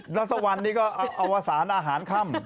รสวรรค์นี่ก็เอาสารอาหารค่ำ